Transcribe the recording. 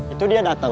itu dia datang